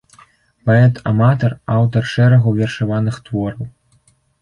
Паэт-аматар, аўтар шэрагу вершаваных твораў.